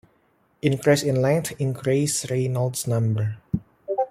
Increase in length increases Reynolds number.